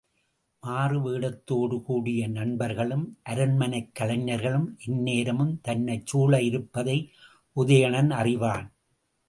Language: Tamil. மாறுவேடத்தோடு கூடிய நண்பர்களும் அரண்மனைக் கலைஞர்களும் எந்நேரமும் தன்னைச் சூழ இருப்பதை உதயணனும் அறிவான்.